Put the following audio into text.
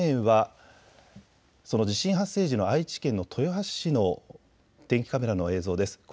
画面はその地震発生時の愛知県の豊橋市の天気カメラの映像です。